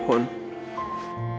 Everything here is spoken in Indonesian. depan rumah mereka